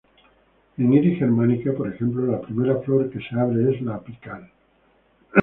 En "Iris germanica", por ejemplo, la primera flor que se abre es la apical.